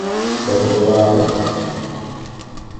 Это была она.